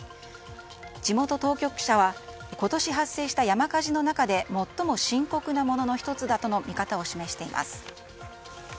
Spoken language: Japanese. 地元当局者は今年発生した山火事の中で最も深刻なものの１つだとの見方を示しています。